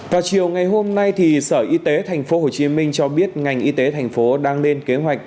vào chiều ngày hôm nay sở y tế tp hcm cho biết ngành y tế thành phố đang lên kế hoạch